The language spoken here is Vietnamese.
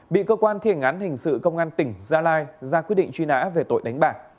bị cơ quan thi hành án hình sự công an tỉnh gia lai ra quyết định truy nã về tội đánh bạc